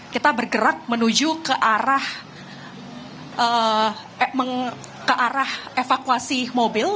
kita bergerak menuju ke arah evakuasi mobil